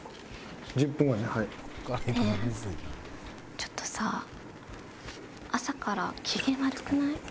ちょっとさ朝から機嫌悪くない？